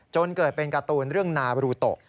จนเกิดเป็นการ์ตูนเรื่องนาบรูโตะ